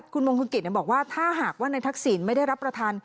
คุณมมกิชผมบอกว่าหากถ้าในทักษิณไม่ได้รับประทาน